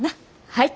はい！